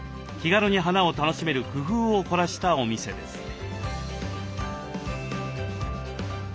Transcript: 気軽に花を楽しめる工夫を凝らしたお店です。